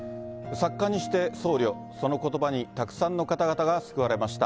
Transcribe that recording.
作家にして僧侶、そのことばにたくさんの方々が救われました。